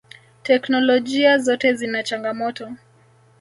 Technolojia zote zina changamoto.